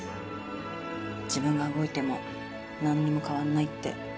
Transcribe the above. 自分が動いても何にも変わんないって。